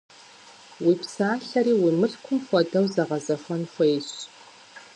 Уи псалъэри уи мылъкум хуэдэу зэгъэзэхуэн хуейщ.